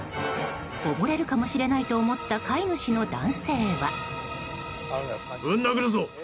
溺れるかもしれないと思った飼い主の男性は。